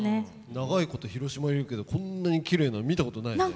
長いこと広島いるけどこんなにきれいなの見たことないね。